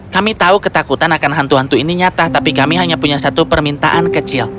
kami tahu ketakutan akan hantu hantu ini nyata tapi kami hanya punya satu permintaan kecil